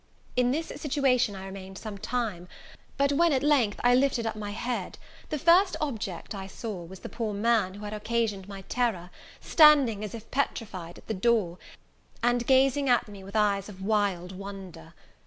In this situation I remained some time; but when, at length, I lifted up my head, the first object I saw was the poor man who had occasioned my terror, standing, as if petrified, at the door, and gazing at me with eyes of wild wonder.